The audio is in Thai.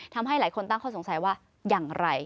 ทำให้หลายคนตั้งข้อสงสัยว่าอย่างไร